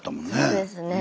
そうですね。